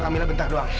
camilla bentar doang